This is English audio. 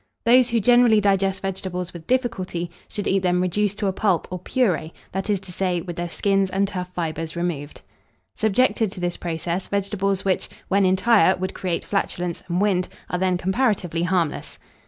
Those who generally digest vegetables with difficulty, should eat them reduced to a pulp or purée, that is to say, with their skins and tough fibres removed. Subjected to this process, vegetables which, when entire, would create flatulence and wind, are then comparatively harmless.